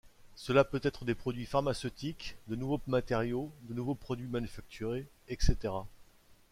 Cela peut être des produits pharmaceutiques, de nouveaux matériaux, de nouveaux produits manufacturés etc.